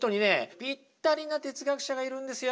ピッタリな哲学者がいるんですよ。